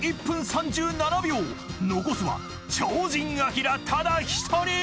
［残すは超人アキラただ１人］